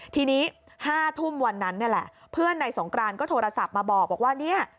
ทีนี้๕ทุ่มวันนั้นนี่แหละเพื่อนนายสงกรานก็โทรศัพท์มาบอกว่าเนี่ย